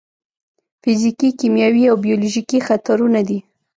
فزیکي، کیمیاوي او بیولوژیکي خطرونه دي.